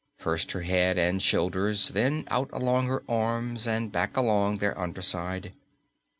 First her head and shoulders, then out along her arms and back along their under side.